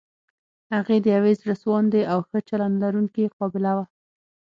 هغې د يوې زړه سواندې او ښه چلند لرونکې قابله وه.